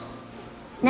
何？